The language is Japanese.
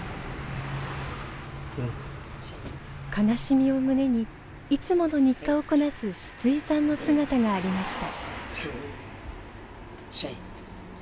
悲しみを胸にいつもの日課をこなすシツイさんの姿がありました。